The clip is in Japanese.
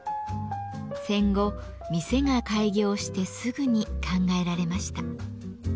戦後店が開業してすぐに考えられました。